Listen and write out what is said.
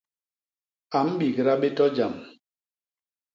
A mbigda bé to jam.